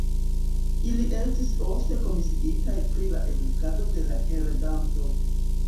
Ili estis ofte komisiitaj pri la edukado de la heredanto.